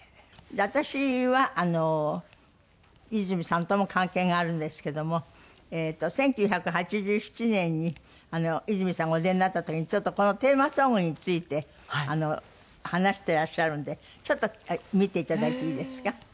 で私はいずみさんとも関係があるんですけども１９８７年にいずみさんがお出になった時にちょっとこのテーマソングについて話していらっしゃるんでちょっと見て頂いていいですか？